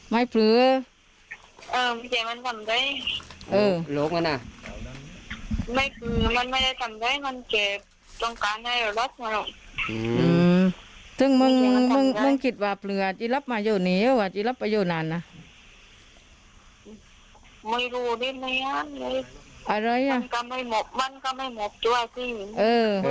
ไม่รู้ด้วยแม่มันก็ไม่เหมาะมันก็ไม่เหมาะด้วยพี่